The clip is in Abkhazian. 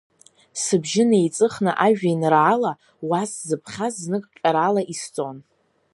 Сыбжьы неиҵыхны ажәеинраала, уа сзыԥхьаз зныкҟьарала исҵон.